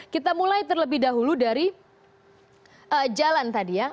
kita mulai terlebih dahulu dari jalan tadi ya